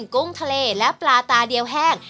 กุ้งทะเลและปลาตาเดียวแห้ง